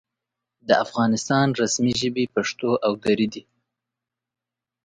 د افغانستان رسمي ژبې پښتو او دري دي.